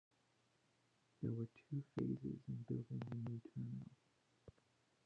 There were two phases in building the new terminal.